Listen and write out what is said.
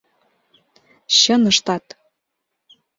Чын ыштат!